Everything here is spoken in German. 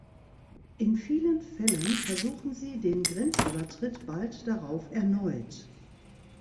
In vielen Fällen versuchen sie den Grenzübertritt bald darauf erneut.